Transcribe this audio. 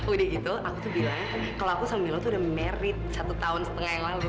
udah gitu aku tuh bilang kalau aku sama milo tuh udah merit satu tahun setengah yang lalu